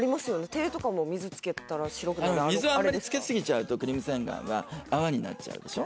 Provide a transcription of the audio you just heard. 手とかも水をつけたら白く水をあんまりつけすぎちゃうとクリーム洗顔は泡になっちゃうでしょ？